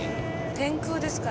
天空ですから。